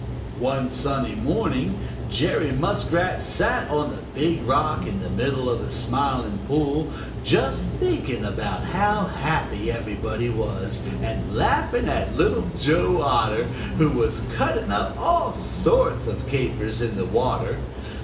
One sunny morning Jerry Muskrat sat on the Big Rock in the middle of the Smiling Pool, just thinking of how happy everybody was and laughing at Little Joe Otter, who was cutting up all sorts of capers in the water.